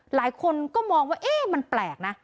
หลายคนก็มองว่าเอ๊ะมันแปลกนะ